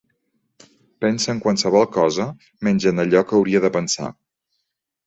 Pensa en qualsevol cosa menys en allò que hauria de pensar.